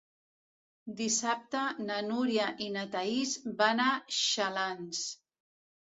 Dissabte na Núria i na Thaís van a Xalans.